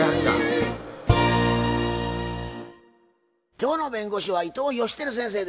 今日の弁護士は伊藤芳晃先生です。